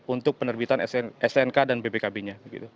untuk penerbitan stnk dan bpkb nya